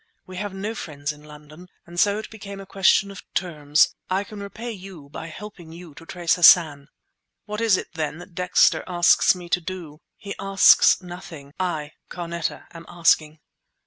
We have no friends in London, and so it became a question of terms. I can repay you by helping you to trace Hassan." "What is it, then, that Dexter asks me to do?" "He asks nothing. I, Carneta, am asking!"